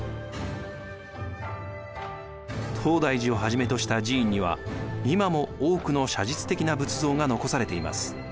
東大寺をはじめとした寺院には今も多くの写実的な仏像が残されています。